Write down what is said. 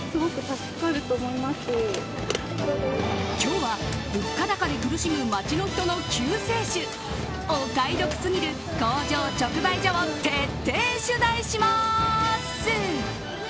今日は物価高で苦しむ街の人の救世主お買い得すぎる工場直売所を徹底取材します。